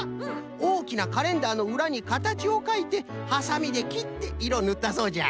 おおきなカレンダーのうらにかたちをかいてはさみできっていろぬったそうじゃ。